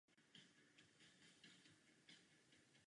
Jednou z příčin povstání v Tunisku byl nárůst cen potravin.